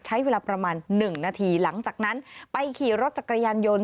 ใช้เวลาประมาณ๑นาทีหลังจากนั้นไปขี่รถจักรยานยนต์